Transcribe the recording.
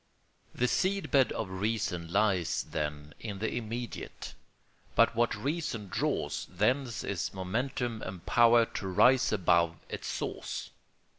The seed bed of reason lies, then, in the immediate, but what reason draws thence is momentum and power to rise above its source.